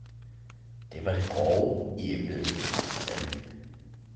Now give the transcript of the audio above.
det var det grove i embedet, sagde han.